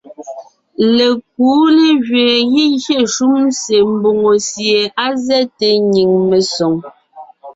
Lekuʼu légẅeen gígyé shúm se mbòŋo sie á zɛ́te nyìŋ mesoŋ.